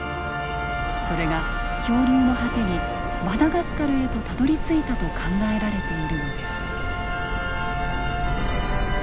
それが漂流の果てにマダガスカルへとたどりついたと考えられているのです。